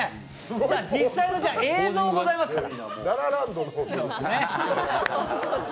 さ、実際の映像ございますから。